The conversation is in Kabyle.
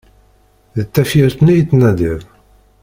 D tafyirt-nni i ttnadiɣ!